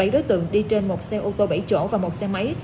bảy đối tượng đi trên một xe ô tô bảy chỗ và một xe máy